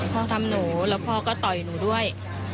ทำหนูแล้วพ่อก็ต่อยหนูด้วย